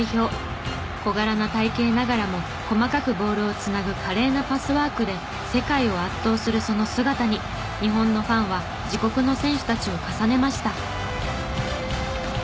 小柄な体形ながらも細かくボールを繋ぐ華麗なパスワークで世界を圧倒するその姿に日本のファンは自国の選手たちを重ねました。